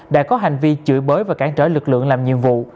đã có hành vi chửi bới và cản trở lực lượng làm nhiệm vụ